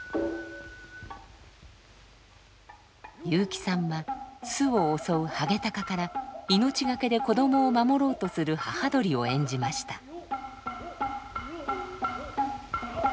雄輝さんは巣を襲うハゲタカから命懸けで子どもを守ろうとする母鳥を演じました。